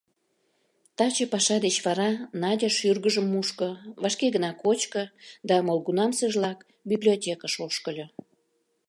Таче паша деч вара Надя шӱргыжым мушко, вашке гына кочко да молгунамсыжлак библиотекыш ошкыльо.